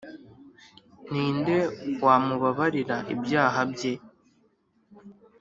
ni nde wamubabarira ibyaha bye?